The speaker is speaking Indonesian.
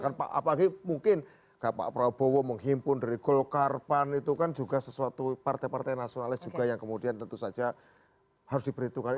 apalagi mungkin pak prabowo menghimpun dari golkar pan itu kan juga sesuatu partai partai nasionalis juga yang kemudian tentu saja harus diperhitungkan